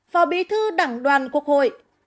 phó bí thư đảng đoàn quốc hội